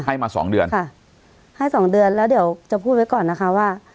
ให้มาสองเดือนค่ะให้สองเดือนแล้วเดี๋ยวจะพูดไว้ก่อนนะคะว่า